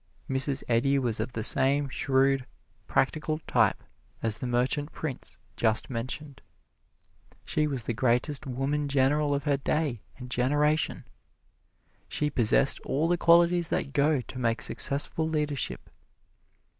Mrs. Eddy was of the same shrewd, practical type as the merchant prince just mentioned. She was the greatest woman general of her day and generation. She possessed all the qualities that go to make successful leadership.